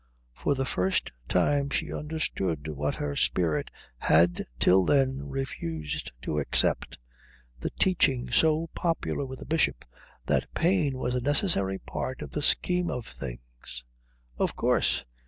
For the first time she understood what her spirit had till then refused to accept, the teaching so popular with the Bishop that pain was a necessary part of the scheme of things. Of course.